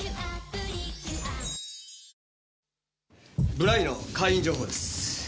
ブライの会員情報です。